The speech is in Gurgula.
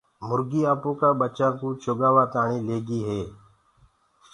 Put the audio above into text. مُرگي آپو جآ ٻچآ ڪوُ چگآوآ تآڻي ليگي هي۔